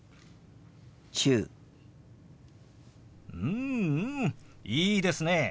うんうんいいですね。